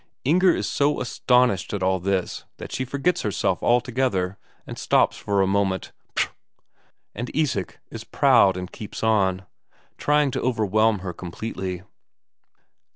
Inger is so astonished at all this that she forgets herself altogether, and stops for a moment "Ptro!" And Isak is proud and keeps on, trying to overwhelm her completely.